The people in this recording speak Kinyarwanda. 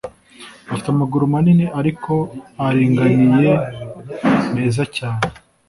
Afite amaguru manini ariko aringaniye meza cyane